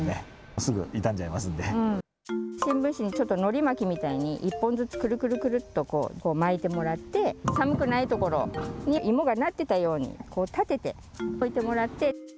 新聞紙にちょっとのり巻きみたいに、１本ずつ、くるくるくるっと巻いてもらって、寒くない所に、芋がなってたように、立てて置いてもらって。